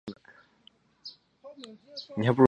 比莱人口变化图示